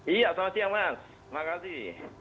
iya selamat siang mas terima kasih